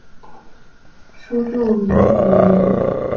他曾从其叔著名语言学家杨树达学习。